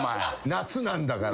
夏なんだから。